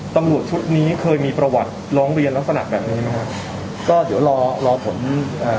ตำรวจชุดนี้เคยมีประวัติร้องเรียนลักษณะแบบนี้ไหมครับก็เดี๋ยวรอรอผลอ่า